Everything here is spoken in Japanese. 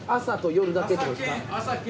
朝と夜だけ。